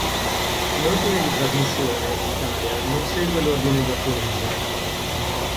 L'ordine di trasmissione in Italia non segue l'ordine giapponese.